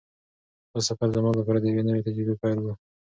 دا سفر زما لپاره د یوې نوې تجربې پیل و.